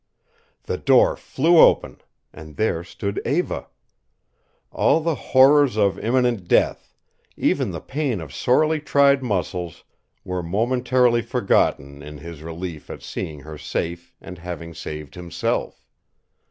The door flew open, and there stood Eva. All the horrors of imminent death, even the pain of sorely tried muscles, were momentarily forgotten in his relief at seeing her safe and having saved himself.